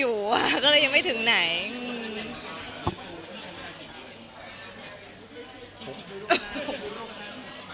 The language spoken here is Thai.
แต่ว่าเราสองคนเห็นตรงกันว่าก็คืออาจจะเรียบง่าย